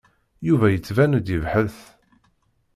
Yuba yettban-d yebhet.